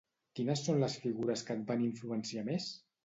Quines són les figures que et van influenciar més?